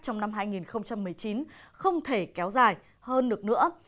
trong năm hai nghìn một mươi chín không thể kéo dài hơn được nữa